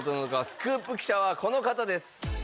スクープ記者はこの方です。